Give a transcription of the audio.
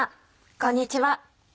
こんにちは。